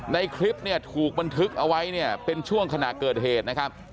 ในคลิปเนี่ยถูกบันทึกเอาไว้เนี่ยเป็นช่วงขณะเกิดเหตุนะครับ